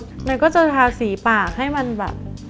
หน่อยาก็จะทาสีปากให้มันแบบ